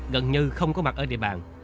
gần như không có mặt ở địa bàn